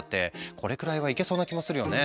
これくらいはいけそうな気もするよね？